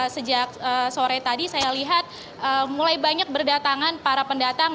sejak sore tadi saya lihat mulai banyak berdatangan para pendatang